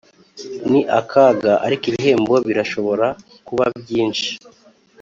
ni akaga, ariko ibihembo birashobora kuba byinshi.